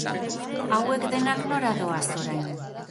Hauek denak nora doaz orain?